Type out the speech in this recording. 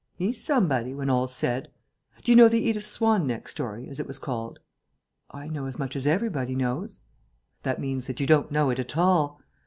He's somebody, when all's said. Do you know the Edith Swan neck story, as it was called?" "I know as much as everybody knows." "That means that you don't know it at all.